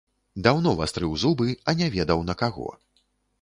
Даўно вастрыў зубы, а не ведаў на каго.